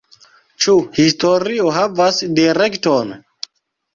Ĉu historio havas direkton?